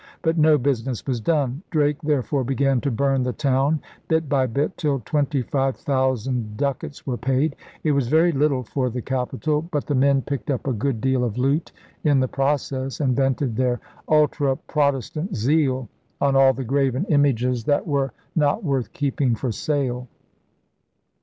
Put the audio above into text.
But no business was done. Drake there fore began to burn the town bit by bit till twenty five thousand ducats were paid. It was very little for the capital. But the men picked up a good deal of loot in the process and vented their ultra Protestant zeal on all the 'graven images' that DRAKE CLIPS THE WINGS OF SPAIN 159 were not worth keeping for sale.